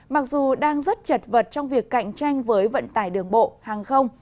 mặc dù đang rất chật vật trong việc cạnh tranh với vận tải đường bộ hàng không